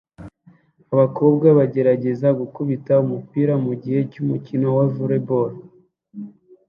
Abakobwa bagerageza gukubita umupira mugihe cy'umukino wa volley ball